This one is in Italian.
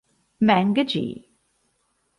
Meng Jie